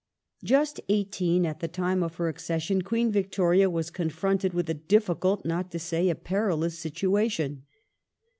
Just eighteen at the time of her accession, Queen Victoria was The situa confionted with a difficult not to say a perilous situation.